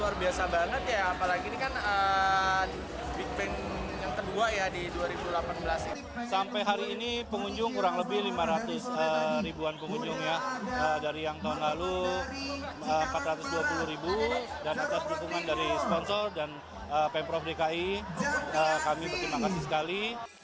lima ratus ribuan pengunjung ya dari yang tahun lalu empat ratus dua puluh ribu dan atas dukungan dari sponsor dan pemprov dki kami berterima kasih sekali